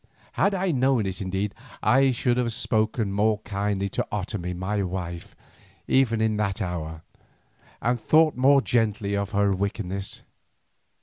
Had I known it indeed, I should have spoken more kindly to Otomie my wife even in that hour, and thought more gently of her wickedness.